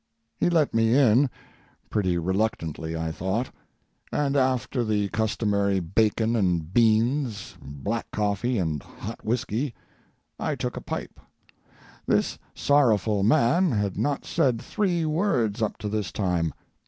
He let me in—pretty reluctantly, I thought—and after the customary bacon and beans, black coffee and hot whiskey, I took a pipe. This sorrowful man had not said three words up to this time.